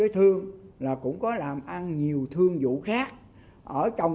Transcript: từng năm hỏi thủ tướng